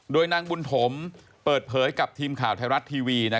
โดยนางบุญถมเปิดเผยกับทีมข่าวไทยรัฐทีวี